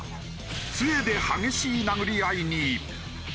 杖で激しい殴り合いに。